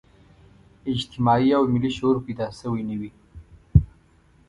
اجتماعي او ملي شعور پیدا شوی نه وي.